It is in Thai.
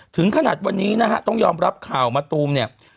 ถึงขนาดวันนี้ต้องยอมรับข่าวมาตูม